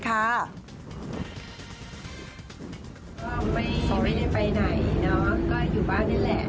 ก็ไม่ได้ไปไหนอยู่บ้านแหละ